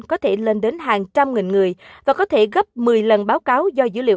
có thể lên đến hàng trăm nghìn người và có thể gấp một mươi lần báo cáo do dữ liệu